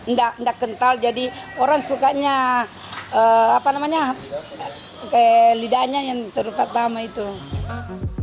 nggak kental jadi orang sukanya lidahnya yang terutama itu